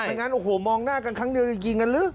งั้นโอ้โหมองหน้ากันครั้งเดียวจะยิงกันหรือ